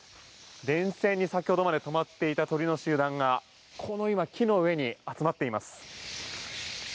電線に先ほどまで止まっていた鳥の集団が今、木の上に集まっています。